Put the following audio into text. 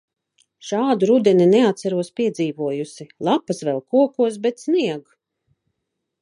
Šādu rudeni neatceros piedzīvojusi - lapas vēl kokos, bet snieg.